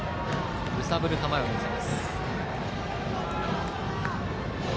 揺さぶる構えを見せます。